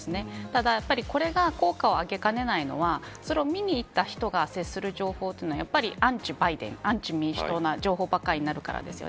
ただやっぱり、これが効果を上げかねないのはそれを見に行った人が接する情報をというのはアンチバイデンアンチ民主党な情報ばかりになるからです。